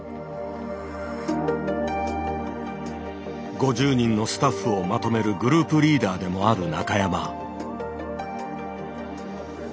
５０人のスタッフをまとめるグループリーダーでもある中山。